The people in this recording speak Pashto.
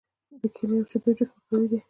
د کیلې او شیدو جوس مقوي دی.